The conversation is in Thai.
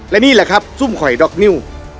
และนี่แหละครับซุ่มข่อยด็อกนิ้ว